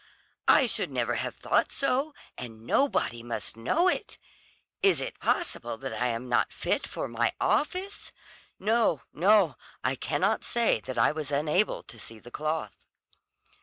I should never have thought so, and nobody must know it! Is it possible that I am not fit for my office? No, no, I cannot say that I was unable to see the cloth."